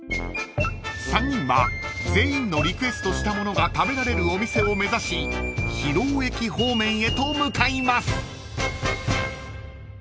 ［３人は全員のリクエストしたものが食べられるお店を目指し広尾駅方面へと向かいます］